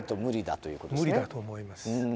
無理だと思います。